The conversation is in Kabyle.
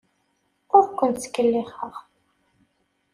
Ur ken-ttkellixeɣ.